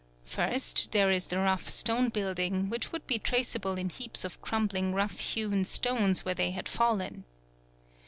First, there is the rough stone building, which would be traceable in heaps of crumbling rough hewn stones where they had fallen.